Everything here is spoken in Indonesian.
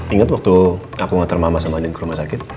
ingat waktu aku ngater mama sama ning ke rumah sakit